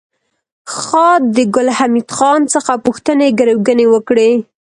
خاد د ګل حمید خان څخه پوښتنې ګروېږنې وکړې